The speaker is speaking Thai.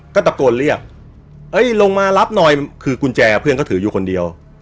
ก็ตะโกนเรียกเอ้ยลงมารับหน่อยคือกุญแจเพื่อนก็ถืออยู่คนเดียว